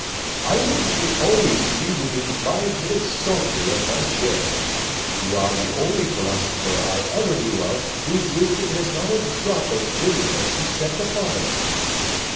"I want you always to be within five minutes, saunter of my chair. You are the only philosopher I ever knew of whose wisdom has not a drop of bitter essence at the bottom!"